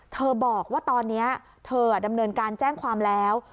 บอกว่าตอนนี้เธอดำเนินการแจ้งความแล้ว